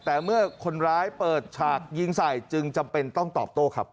แต่เมื่อคนร้ายเปิดฉากยิงใส่จึงจำเป็นต้องตอบโต้ครับ